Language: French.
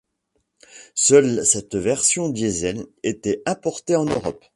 Seule cette version diesel était importée en Europe.